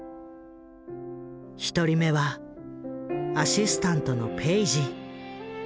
１人目はアシスタントのペイジ。